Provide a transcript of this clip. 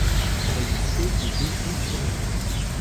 Elle dispose de deux quais surélevés.